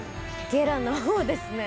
ゲラなほうですね。